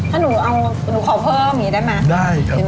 ถ้าหนูเอาหนูขอเพิ่มนี้ได้ไหมได้ครับ